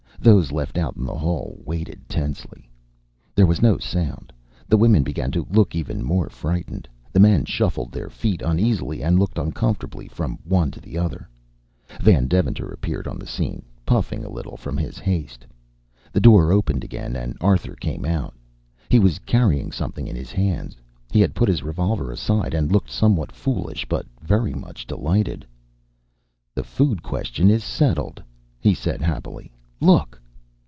Those left out in the hall waited tensely. There was no sound. The women began to look even more frightened. The men shuffled their feet uneasily, and looked uncomfortably at one another. Van Deventer appeared on the scene, puffing a little from his haste. The door opened again and Arthur came out. He was carrying something in his hands. He had put his revolver aside and looked somewhat foolish but very much delighted. "The food question is settled," he said happily. "Look!"